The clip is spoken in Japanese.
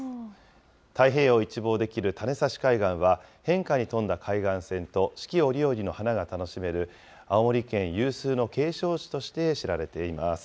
太平洋を一望できる種差海岸は、変化に富んだ海岸線と、四季折々の花が楽しめる青森県有数の景勝地として知られています。